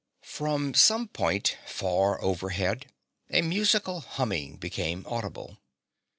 From some point far overhead a musical humming became audible.